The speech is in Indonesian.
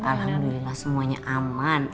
alhamdulillah semuanya aman